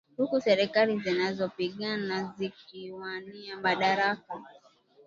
huku serikali zinazopingana zikiwania madaraka